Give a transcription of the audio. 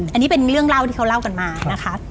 อันนี้เป็นเรื่องเล่าที่เขาเล่ากันมานะคะ